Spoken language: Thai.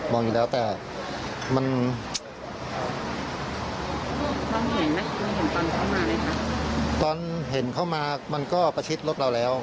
มองอย่างเงี้ยแต่ตอนเห็นเข้ามามันก็ประชิดรถเราแล้ว